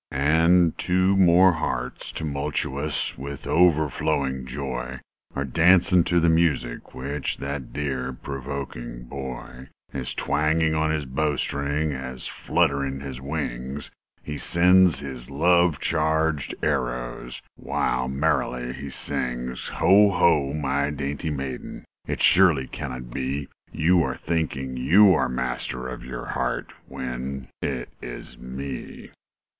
And two more hearts, tumultuous Â Â Â Â With overflowing joy, Are dancing to the music Â Â Â Â Which that dear, provoking boy Is twanging on his bowstring, Â Â Â Â As, fluttering his wings, He sends his love charged arrows Â Â Â Â While merrily be sings: "Ho! ho! my dainty maiden, Â Â Â Â It surely can not be You are thinking you are master Â Â Â Â Of your heart, when it is me."